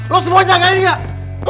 lu semua jagain gak